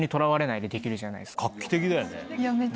画期的だよね。